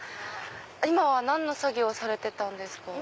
今は何の作業をされてたんですか？